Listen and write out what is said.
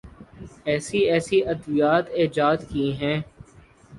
ایسی ایسی ادویات ایجاد کی ہیں۔